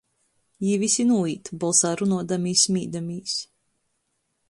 Jī vysi nūīt, bolsā runuodami i smīdamīs.